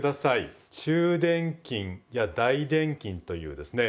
中殿筋や大殿筋というですね